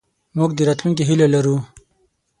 موږ د راتلونکې هیله لرو.